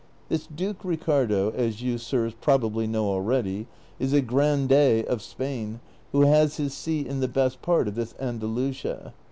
This Duke Ricardo, as you, sirs, probably know already, is a grandee ' of Spain who has his seat in the best part of this Andalusia.